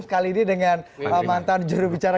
sekali ini dengan mantan juru bicara